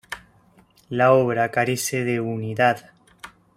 La obra carece de unidad.